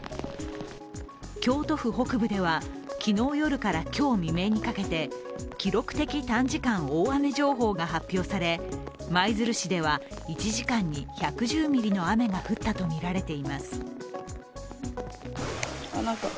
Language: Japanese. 京都府北部では昨日夜から今日未明にかけて、記録的短時間大雨情報が発表され、舞鶴市では１時間に１１０ミリの雨が降ったとみられています。